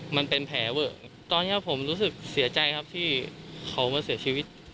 มันเป็นแผลเวอะตอนนี้ผมรู้สึกเสียใจครับที่เขามาเสียชีวิต